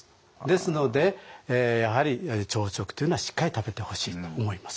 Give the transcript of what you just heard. ですのでやはり朝食というのはしっかり食べてほしいと思いますね。